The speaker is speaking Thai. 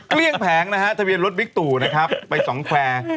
เกลี้ยงแผงนะฮะทะเบียนรถบิ๊กตู่นะครับไปสองแควร์